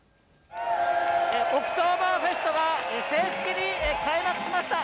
オクトーバーフェストが正式に開幕しました。